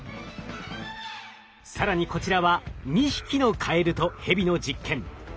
更にこちらは２匹のカエルとヘビの実験。